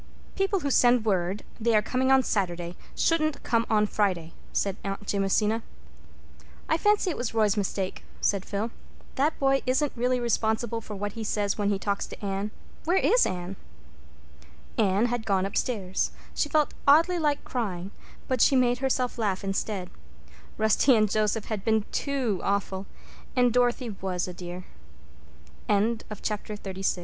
"People who send word they are coming on Saturday shouldn't come on Friday," said Aunt Jamesina. "I fancy it was Roy's mistake," said Phil. "That boy isn't really responsible for what he says when he talks to Anne. Where is Anne?" Anne had gone upstairs. She felt oddly like crying. But she made herself laugh instead. Rusty and Joseph had been too awful! And Dorothy was a dear. Chapter XXXVII Full fledged B.